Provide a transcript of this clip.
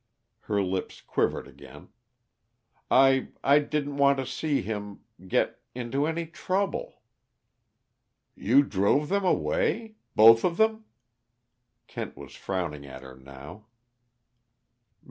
Her lips quivered again. "I I didn't want to see him get into any trouble." "You drove them away? Both of them?" Kent was frowning at her now.